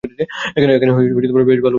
এখানে বেশ ভালভাবে সময় কাটছে।